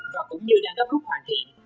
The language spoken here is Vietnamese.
và cũng như đăng cấp lúc hoàn thiện